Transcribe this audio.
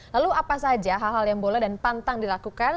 lalu apa saja hal hal yang boleh dan pantang dilakukan